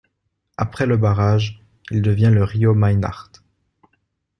Après le barrage, il devient le Rio Mainart.